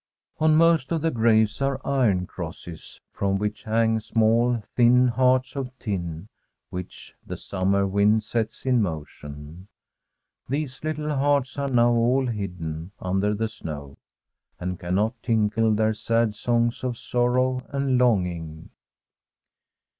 On most of the graves are iron crosses, from which hang small, thin hearts of tin, whicK the summer wind sets in motion. These little hearts are now all hidden under the snow, and cannot tinkle their sad songs of sorrow and longing.